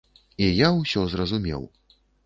І я ўсё зразумеў.